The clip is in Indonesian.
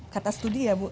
kata studi ya bu